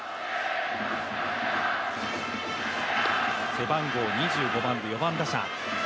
背番号２５番で４番打者。